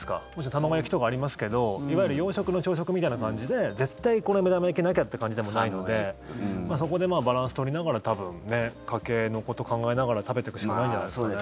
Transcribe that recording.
卵焼きとかありますけどいわゆる洋食の朝食みたいな感じで絶対この目玉焼きなきゃって感じでもないのでそこでバランス取りながら多分家計のことを考えながら食べていくしかないんじゃないですかね。